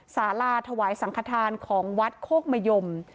สาราถวายสังขทานของวัดโคกมะยม